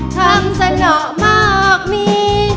ทำสนอมากมี